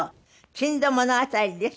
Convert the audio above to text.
『珍島物語』です。